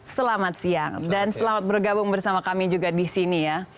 selamat siang dan selamat bergabung bersama kami juga di sini ya